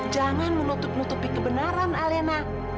jangan menutup nutupi kebenaran alena